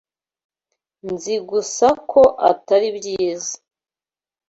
Nzi gusa ko atari byiza.